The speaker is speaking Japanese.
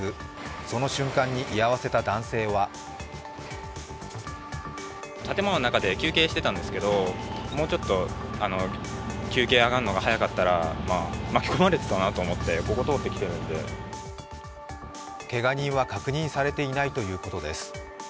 その瞬間に居合わせた男性はけが人は確認されていないということです。